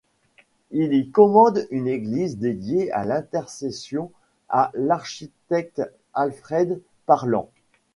Il y commande une église dédiée à l'Intercession à l'architecte Alfred Parland.